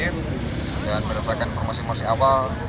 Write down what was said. dan berdasarkan informasi informasi awal